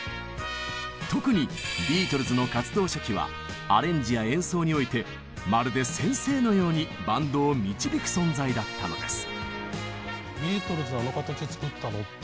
特にビートルズの活動初期はアレンジや演奏においてまるで先生のようにバンドを導く存在だったのです。